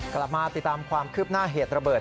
กลับมาติดตามความคืบหน้าเหตุระเบิด